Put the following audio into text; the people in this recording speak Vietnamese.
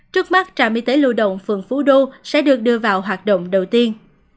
trước mắt trạm y tế lưu động phường phú đô sẽ được đưa vào hoạt động đầu tiên